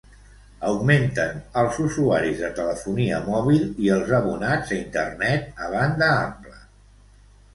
Augmenten els usuaris de telefonia mòbil i els abonats a Internet a banda ampla.